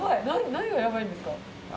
何がやばいんですか。